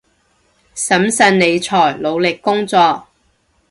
審慎理財，努力工作